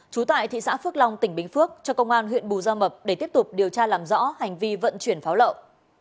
trú tại thị xã phước long tỉnh bình phước cho công an huyện bù gia mập để tiếp tục điều tra làm rõ hành vi vận chuyển pháo lậu